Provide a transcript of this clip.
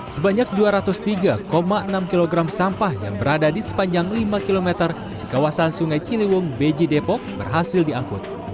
sebanyak dua ratus tiga enam kg sampah yang berada di sepanjang lima km di kawasan sungai ciliwung beji depok berhasil diangkut